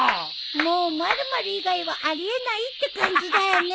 もうマルマル以外はあり得ないって感じだよね。